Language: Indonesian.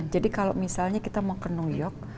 jadi kalau misalnya kita mau ke new york